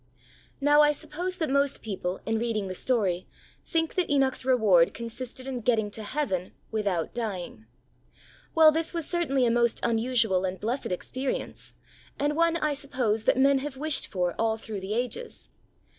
Now, I suppose that most people, in reading the story, think that Enoch's reward consisted in getting to heaven without dying. Well, this was certainly a most unusual and blessed experience, and one I suppose that men have wished for all through the ages.